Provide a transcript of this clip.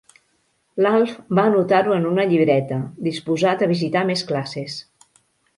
L'Alf va anotar-ho en una llibreta, disposat a visitar més classes.